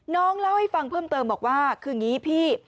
เล่าให้ฟังเพิ่มเติมบอกว่าคืออย่างนี้พี่